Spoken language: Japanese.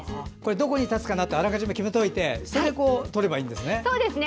どこに立つかなってあらかじめ決めておいてそれで撮ればいいんですね。